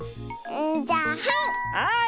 じゃあはい！